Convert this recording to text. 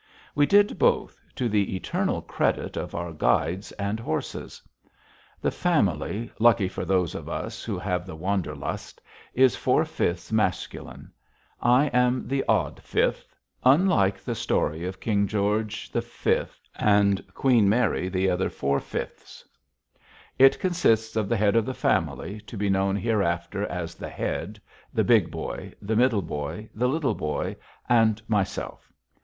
We did both, to the eternal credit of our guides and horses. The family, luckily for those of us who have the Wanderlust, is four fifths masculine. I am the odd fifth unlike the story of King George the Fifth and Queen Mary the other four fifths. It consists of the head of the family, to be known hereafter as the Head, the Big Boy, the Middle Boy, the Little Boy, and myself.